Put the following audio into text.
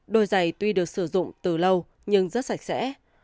đôi giày tuy được sử dụng từ lâu nhưng rất sạch sẽ